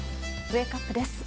ウェークアップです。